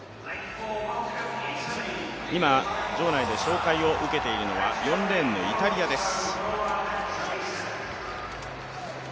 今、場内で紹介を受けているのは４レーンのイタリアです。